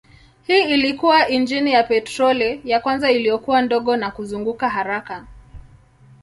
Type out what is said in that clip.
Hii ilikuwa injini ya petroli ya kwanza iliyokuwa ndogo na kuzunguka haraka.